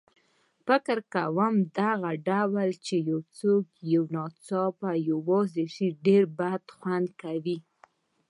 فکر کوم دغه ډول چې یو څوک یو ناڅاپه یوازې شي ډېر بدخوند کوي.